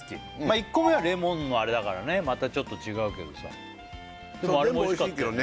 １個目はレモンのあれだからねまたちょっと違うけどさ全部おいしいけどね